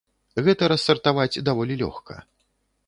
Гэта рассартаваць даволі лёгка.